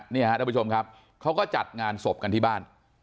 ท่านผู้ชมครับเขาก็จัดงานศพกันที่บ้าน